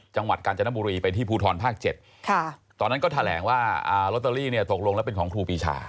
จังหวัดกาญจนบุรีไปที่ภูทรภาค๗ตอนนั้นก็แถลงว่าลอตเตอรี่เนี่ยตกลงแล้วเป็นของครูปีชา